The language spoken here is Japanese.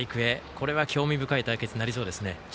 これは興味深い対決になりそうですね。